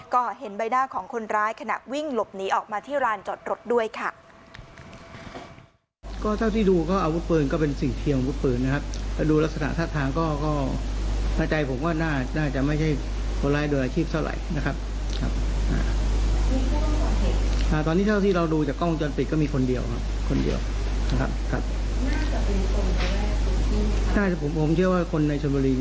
ก็เห็นใบหน้าของคนร้ายขณะวิ่งหลบหนีออกมาที่ร้านจอดรถด้วยค่ะ